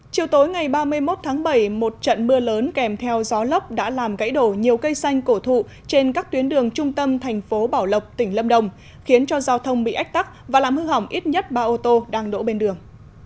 chiều tối ngày ba mươi một tháng bảy một trận mưa lớn kèm theo gió lốc đã làm gãy đổ nhiều cây xanh cổ thụ trên các tuyến đường trung tâm thành phố bảo lộc tỉnh lâm đồng khiến cho giao thông bị ách tắc và làm hư hỏng ít nhất ba ô tô đang đổ bên đường